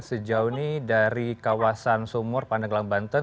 sejauh ini dari kawasan sumur pandang gelang banten